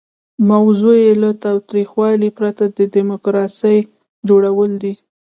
موضوع یې له تاوتریخوالي پرته د ډیموکراسۍ جوړول دي.